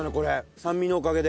酸味のおかげで。